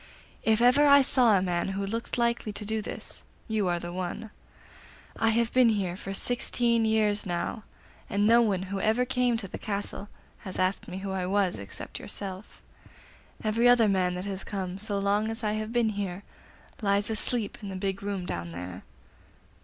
If ever I saw a man who looked likely to do this, you are the one. I have been here for sixteen years now, and no one who ever came to the castle has asked me who I was, except yourself. Every other man that has come, so long as I have been here, lies asleep in the big room down there.